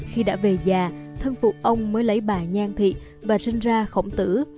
khi đã về già thân phục ông mới lấy bà nhan thị và sinh ra khổng tử